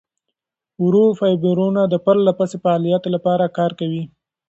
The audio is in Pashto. ورو فایبرونه د پرلهپسې فعالیت لپاره کار کوي.